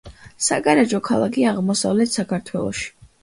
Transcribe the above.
საგარეჯო, ქალაქი აღმოსავლეთ საქართველოში.